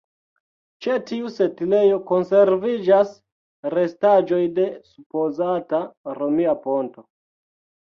Ĉe tiu setlejo konserviĝas restaĵoj de supozata romia ponto.